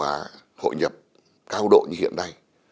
và hội nhập cao độ như hiện nay